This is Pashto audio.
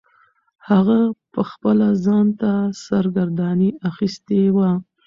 هغه پخپله ځان ته سرګرداني اخیستې وه.